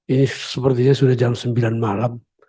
ini sepertinya sudah jam sembilan malam